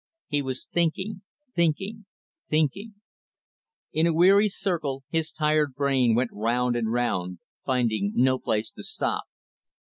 He was thinking, thinking, thinking In a weary circle, his tired brain went round and round, finding no place to stop.